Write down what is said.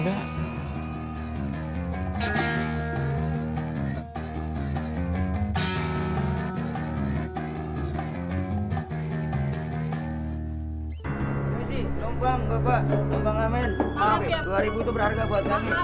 maaf ya rp dua ribu itu berharga buat kami